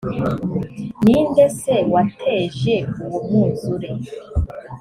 ni nde se wateje uwo mwuzure